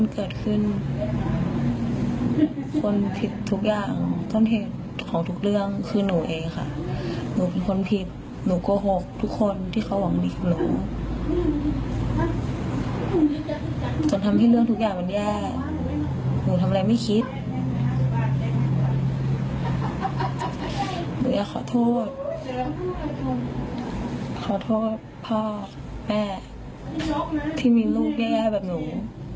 ขอโทษขอโทษพ่อแม่ที่มีลูกแย่แบบหนู